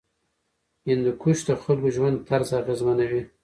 هندوکش د خلکو ژوند طرز اغېزمنوي.